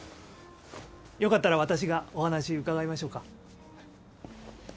よかったら私がお話伺いましょうか？